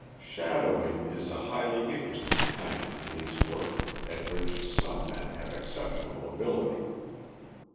Shadowing is a highly interesting kind of police work, at which some men have exceptional ability.